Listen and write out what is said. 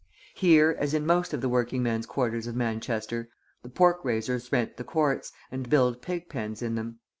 Here, as in most of the working men's quarters of Manchester, the pork raisers rent the courts and build pig pens in them.